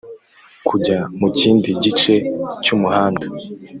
kujya mu kindi gice cy'umuhanda.